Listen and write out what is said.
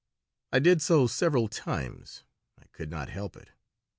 I did so several times. I could not help it.